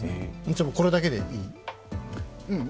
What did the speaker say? じゃあこれだけでいい？